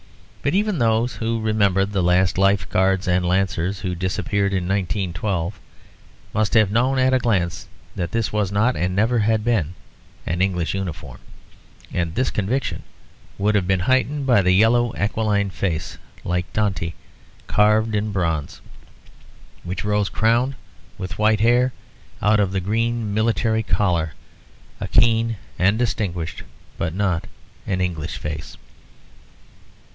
But even those who remembered the last Life Guards and Lancers who disappeared in 1912 must have known at a glance that this was not, and never had been, an English uniform; and this conviction would have been heightened by the yellow aquiline face, like Dante carved in bronze, which rose, crowned with white hair, out of the green military collar, a keen and distinguished, but not an English face.